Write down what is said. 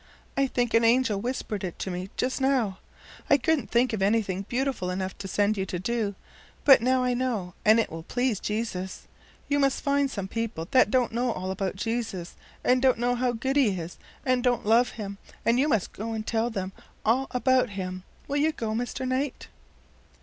"I think an angel whispered it to me just now. I couldn't think of anything beautiful enough to send you to do, but now I know, and it will please Jesus. You must find some people that don't know all about Jesus, and don't know how good he is, and don't love him, and you must go and tell them all about him. Will you go, Mr. Knight?